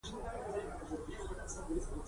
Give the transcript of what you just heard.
ته د یوه واده شوي سړي په څېر چلند کوې، په تا څه شوي؟